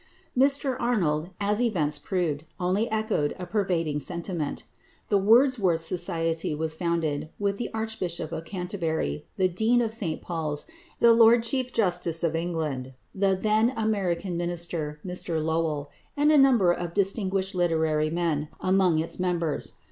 Mr Arnold, as events proved, only echoed a pervading sentiment. The Wordsworth Society was founded, with the Archbishop of Canterbury, the Dean of St Paul's, the Lord Chief Justice of England, the then American Minister Mr Lowell and a number of distinguished literary men, among its members.